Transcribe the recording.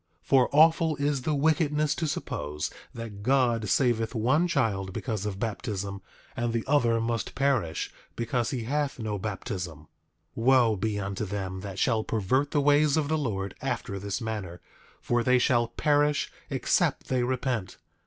8:15 For awful is the wickedness to suppose that God saveth one child because of baptism, and the other must perish because he hath no baptism. 8:16 Wo be unto them that shall pervert the ways of the Lord after this manner, for they shall perish except they repent.